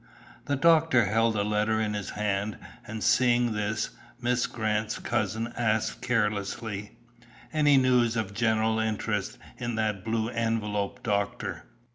The doctor held a letter in his hand, and seeing this, Miss Grant's cousin asked carelessly: "Any news of general interest in that blue envelope, doctor?"